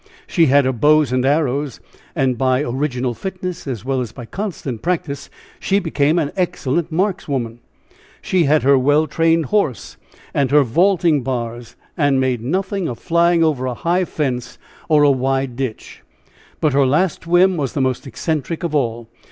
She had her bows and arrows, and by original fitness, as well as by constant practice, she became an excellent markswoman. She had her well trained horse, and her vaulting bars, and made nothing of flying over a high fence or a wide ditch. But her last whim was the most eccentric of all.